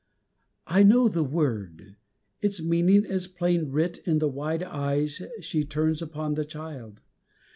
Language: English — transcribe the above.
I know the word; its meaning is plain writ In the wide eyes she turns upon the Child.